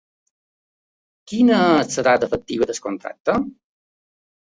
Quina és la data efectiva del contracte?